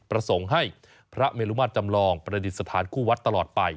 ประสงค์ให้พระเมลุมาตรจำลองประดิษฐานคู่วัดตลอดไป